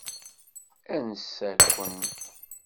Ansa-ken?